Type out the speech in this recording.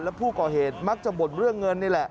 และผู้ก่อเหตุมักจะบ่นเรื่องเงินนี่แหละ